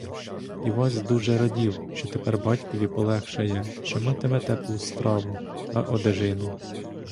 Івась дуже радів, що тепер батькові полегшає, що матиме теплу страву та одежину.